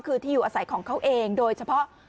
คือที่อยู่อาศัยของเขาเองโดยเฉพาะ